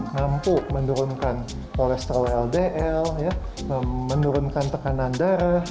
mampu menurunkan kolesterol ldl menurunkan tekanan darah